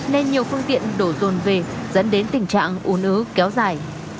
nên nhiều phương tiện đổ dồn về dẫn đến tình trạng ồn ứ kéo dài